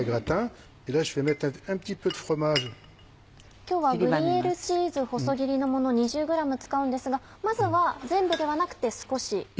今日はグリエールチーズ細切りのもの２０ｇ使うんですがまずは全部ではなくて少し。